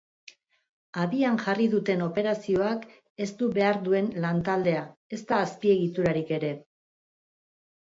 Abian jarri duten operazioak ez du behar duen lan-taldea, ezta azpiegiturarik ere.